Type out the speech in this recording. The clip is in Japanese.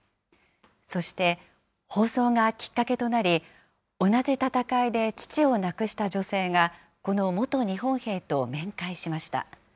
そして、放送がきっかけとなり、同じ戦いで父を亡くした女性が、この元日本兵と面会しました。